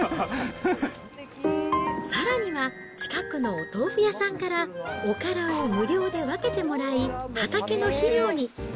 さらには、近くのお豆腐屋さんから、おからを無料で分けてもらい、畑の肥料に。